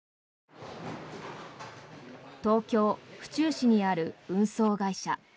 東京・府中市にある運送会社。